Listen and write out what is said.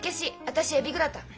私エビグラタン。